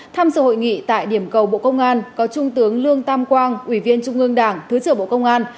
tham dự hội nghị tại điểm cầu bộ công an có trung tướng lương tam quang ủy viên trung ương đảng thứ trưởng bộ công an